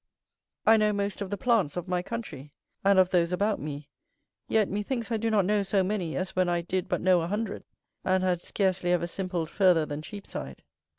I know most of the plants of my country, and of those about me, yet methinks I do not know so many as when I did but know a hundred, and had scarcely ever simpled further than Cheapside.